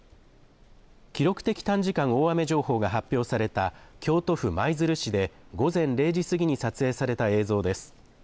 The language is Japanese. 記録的短時間大雨情報が発表された京都府舞鶴市で午前０時過ぎに撮影された映像です。